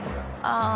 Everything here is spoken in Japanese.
ああ。